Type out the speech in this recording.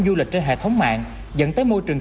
du lịch trên hệ thống mạng dẫn tới môi trường